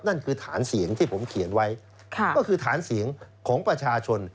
นั่นคือฐานเสียงที่ผมเขียนไว้ก็คือฐานเสียงของประชาชน